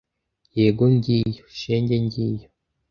Yego ngiyo, shenge ngiyo!"